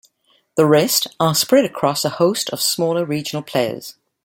The rest are spread across a host of smaller, regional players.